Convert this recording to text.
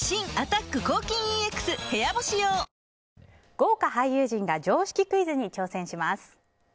豪華俳優陣が常識クイズに挑戦します。